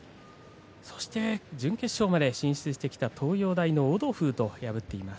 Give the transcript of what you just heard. そして準決勝まで進出してきた東洋大のオドフーと戦っています。